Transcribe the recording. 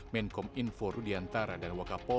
menkom info rudiantara dan wakapol